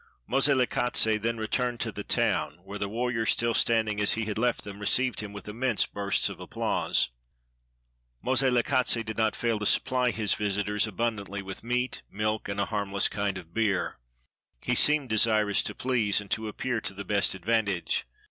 Moselekatse then returned to the town, where the warriors, still standing as he had left them, received him with immense bursts of applause. Moselekatse did not fail to supply his visitors abun dantly with meat, milk, and a harmless kind of beer. He seemed desirous to please, and to appear to the best ad vantage.